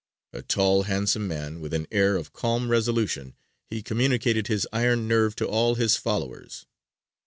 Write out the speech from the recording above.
A tall, handsome man, with an air of calm resolution, he communicated his iron nerve to all his followers.